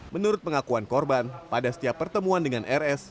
menurut pengakuan korban pada setiap pertemuan dengan rs